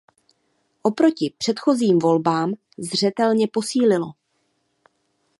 Oproti předchozím volbám zřetelně posílilo.